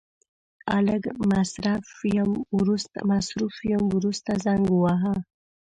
لږ مصرف يم ورسته زنګ وواهه.